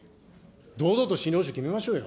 堂々と診療報酬決めましょうよ。